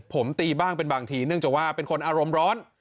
ผมตีบ้างเป็นบางทีเนื่องจากว่าเป็นคนอารมณ์ร้อน